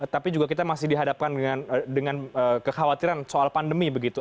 tapi juga kita masih dihadapkan dengan kekhawatiran soal pandemi begitu